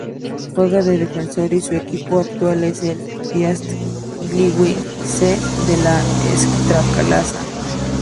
Juega de defensor y su equipo actual es el Piast Gliwice de la Ekstraklasa.